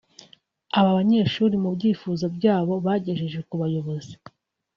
Aba banyeshuri mu byifuzo byabo bagejeje ku bayobozi